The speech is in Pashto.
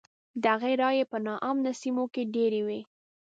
د هغه رایې په نا امنه سیمو کې ډېرې وې.